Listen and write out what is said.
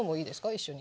一緒に。